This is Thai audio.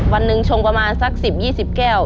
วันหนึ่งชงประมาณสัก๑๐๒๐แก้ว